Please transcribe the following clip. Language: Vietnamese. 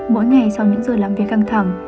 mỗi ngày sau những giờ làm việc căng thẳng